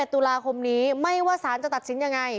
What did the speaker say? ตุลาคมนี้ไม่ว่าสารจะตัดสินยังไง